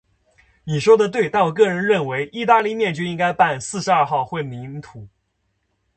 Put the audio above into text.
你说得对，但我个人认为，意大利面就应该拌四十二号混凝土。